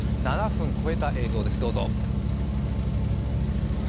７分超えた映像です、どうぞ。